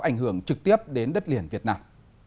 ảnh hưởng trực tiếp đến đất liền việt nam